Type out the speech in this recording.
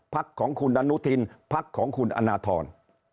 ภักดิ์ของคุณนานุทินภักดิ์ของคุณอนาทร